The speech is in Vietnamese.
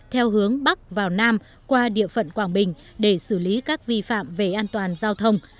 theo hướng bắc vào nam qua địa phận quảng bình để xử lý các vi phạm về an toàn giao thông